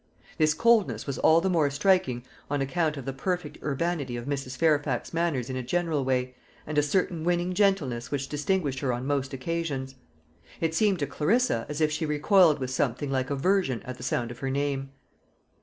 This coldness was all the more striking on account of the perfect urbanity of Mrs. Fairfax's manners in a general way, and a certain winning gentleness which distinguished her on most occasions. It seemed to Clarissa as if she recoiled with something like aversion at the sound of her name.